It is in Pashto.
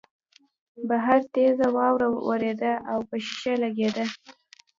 بهر تېزه واوره ورېده او په شیشه لګېده